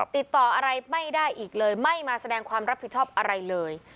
ติดต่ออะไรไม่ได้อีกเลยไม่มาแสดงความรับผิดชอบอะไรเลย